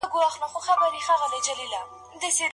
لوی نومونه یوازي په فکري ذکاوت پوري نه سي تړل کېدلای.